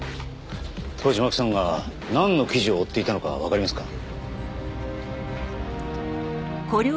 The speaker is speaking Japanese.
当時巻さんがなんの記事を追っていたのかわかりますか？